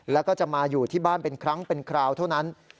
แล้วก็จะมาอยู่ที่บ้านเป็นครั้งเป็นคราวเท่านั้น